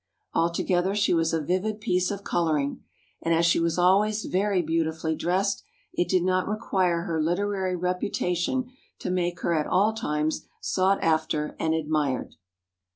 Altogether she was a vivid piece of colouring, and as she was always very beautifully dressed, it did not require her literary reputation to make her at all times sought after and admired."